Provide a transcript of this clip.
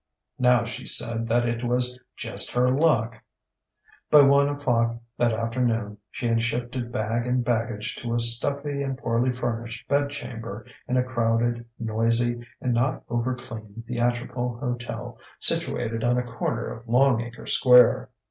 Now she said that it was "just her luck!..." By one o'clock that afternoon she had shifted bag and baggage to a stuffy and poorly furnished bedchamber in a crowded, noisy, and not overclean theatrical hotel situated on a corner of Longacre Square.